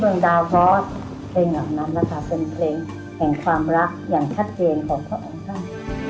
ดาวเพราะเพลงเหล่านั้นนะคะเป็นเพลงแห่งความรักอย่างชัดเจนของพระองค์ท่าน